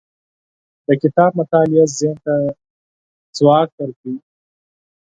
د کتاب مطالعه ذهن ته ځواک ورکوي.